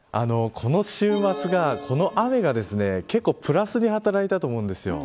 この週末が雨が結構プラスに働いたと思うんですよ。